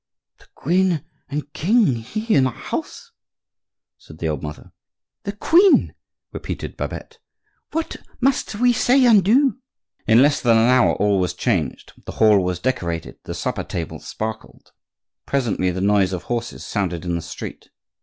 "The queen and king here in our house!" said the old mother. "The queen!" repeated Babette. "What must we say and do?" In less than an hour all was changed; the hall was decorated; the supper table sparkled. Presently the noise of horses sounded in the street.